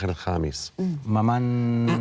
ปีอาทิตย์ห้ามีสปีอาทิตย์ห้ามีส